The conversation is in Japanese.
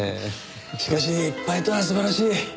しかし一敗とは素晴らしい。